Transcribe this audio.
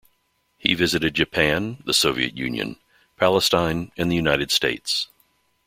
He visited Japan, the Soviet Union, Palestine and the United States.